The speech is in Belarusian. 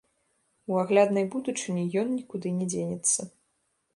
У агляднай будучыні ён нікуды не дзенецца.